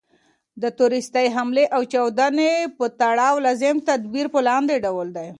د تروریستي حملې او چاودني په تړاو لازم تدابیر په لاندي ډول دي.